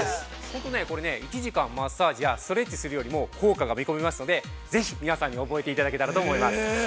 ◆これ、１時間マッサージやストレッチするよりも効果が見込めますので、ぜひ、皆さんに覚えていただけたらと思います。